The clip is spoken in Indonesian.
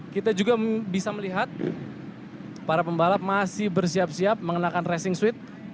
kita juga bisa melihat para pembalap masih bersiap siap mengenakan racing suite